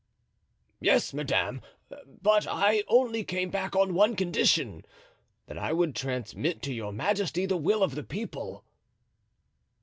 "Yes, madame; but I only came back on one condition—that I would transmit to your majesty the will of the people."